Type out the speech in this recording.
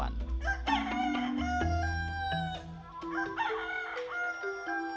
bagian bawah adalah tempat hewan